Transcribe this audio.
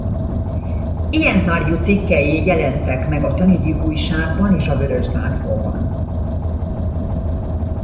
Ilyen tárgyú cikkei jelentek meg a Tanügyi Újságban és a Vörös Zászlóban.